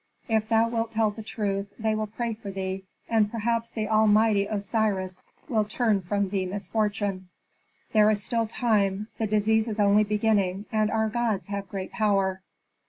If thou wilt tell the truth, they will pray for thee, and perhaps the all mighty Osiris will turn from thee misfortune. There is still time, the disease is only beginning, and our gods have great power."